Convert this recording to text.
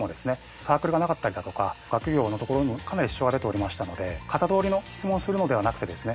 サークルがなかったりだとか学業のところにもかなり支障が出ておりましたので型通りの質問をするのではなくてですね